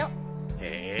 へえ。